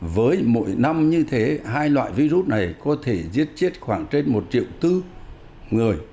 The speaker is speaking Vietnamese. với mỗi năm như thế hai loại virus này có thể giết chết khoảng trên một triệu bốn người